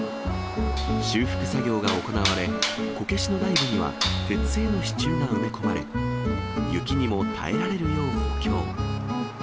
修復作業が行われ、こけしの内部には鉄製の支柱が埋め込まれ、雪にも耐えられるよう補強。